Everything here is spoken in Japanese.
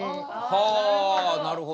はあなるほど。